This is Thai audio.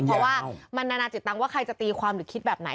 เพราะว่ามันนานาจิตตังค์ว่าใครจะตีความหรือคิดแบบไหน